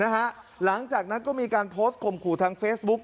หลังจากนั้นก็มีการโพสต์ข่มขู่ทางเฟซบุ๊ค